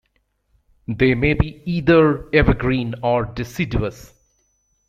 They may be either evergreen or deciduous.